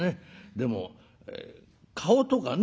でも顔とかね